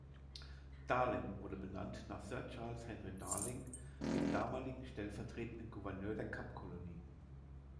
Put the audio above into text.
Darling wurde benannt nach Sir Charles Henry Darling, dem damaligen stellvertretenden Gouverneur der Kapkolonie.